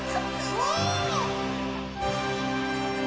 お。